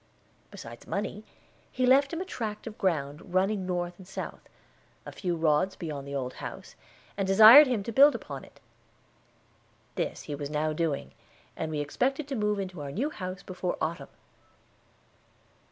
Besides money, he left him a tract of ground running north and south, a few rods beyond the old house, and desired him to build upon it. This he was now doing, and we expected to move into our new house before autumn.